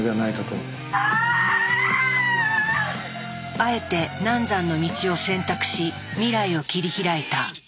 あえて難産の道を選択し未来を切り開いた。